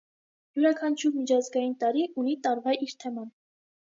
Յուրաքանչյուր միջազգային տարի ունի տարվա իր թեման։